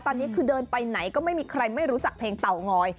ตอนนี้คือเดินไปไหนก็ไม่มีใครไม่รู้จักเพลงเตางอย